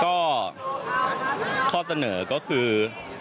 ก็ข้อเสนอก็คือ